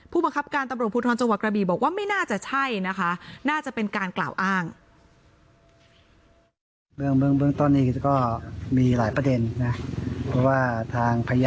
ผู้บังคับการตำรวจภูทรจังหวัดกระบีบอกว่าไม่น่าจะใช่นะคะน่าจะเป็นการกล่าวอ้าง